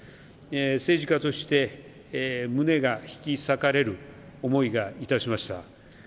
政治家として、胸が引き裂かれる思いがいたしました。